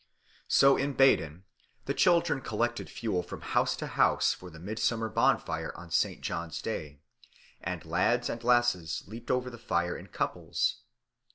So in Baden the children collected fuel from house to house for the midsummer bonfire on St. John's Day; and lads and lasses leaped over the fire in couples.